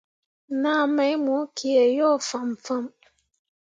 Naa mai mo kǝǝ yo fãmfãm.